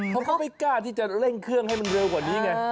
เขาก็ไม่กล้าที่จะเร่งเครื่องให้มันเร็วกว่านี้ไง